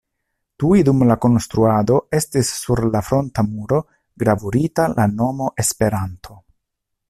Tuj dum la konstruado estis sur la fronta muro gravurita la nomo Esperanto.